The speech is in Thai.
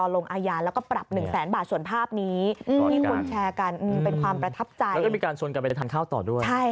แล้วก็มีการชนกันไปทานข้าวต่อด้วย